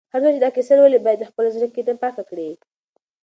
هر څوک چې دا کیسه لولي، باید د خپل زړه کینه پاکه کړي.